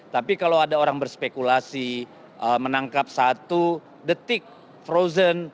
tapi kalau ada orang berspekulasi menangkap satu detik frozen